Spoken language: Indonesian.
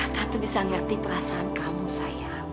tentu saja kamu masih mengerti perasaan kamu sayang